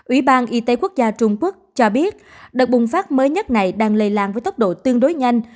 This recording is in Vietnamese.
ủy ban y tế quốc gia trung quốc cho biết đợt bùng phát mới nhất này đang lây lan với tốc độ tương đối nhanh